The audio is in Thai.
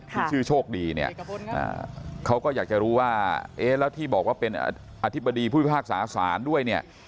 ที่ชื่อโชคดีเนี่ยเขาก็อยากจะรู้ว่าเอ๊ะแล้วที่บอกว่าเป็นอธิบดีผู้พิพากษาศาลด้วยเนี่ย